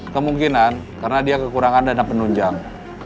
kemungkinan karena dia kekurangan dana penunjang